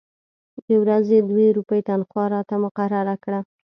د ورځې دوې روپۍ تنخوا راته مقرره کړه.